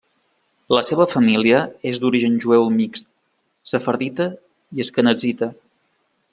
La seva família és d'origen jueu mixt sefardita i asquenazita.